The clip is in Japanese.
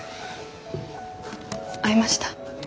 会いました？